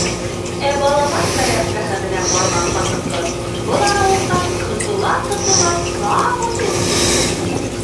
Ә балалар коляскаһы менән барған ҡатын-ҡыҙ был арауыҡтан ҡыҫыла-ҡыҫыла саҡ үтеп китә.